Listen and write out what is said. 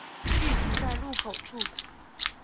聚集在入口处